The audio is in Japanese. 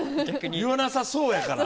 言わなさそうやから。